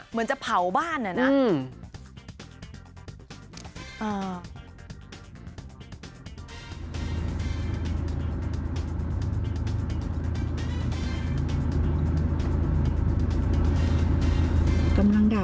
เหมือนจะเผาบ้านนะ